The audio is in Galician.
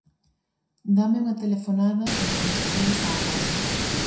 Dáme unha telefonada en canto chegues á casa.